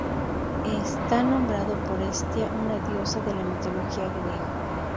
Está nombrado por Hestia, una diosa de la mitología griega.